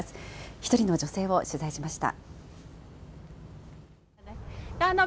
１人の女性を取材しました。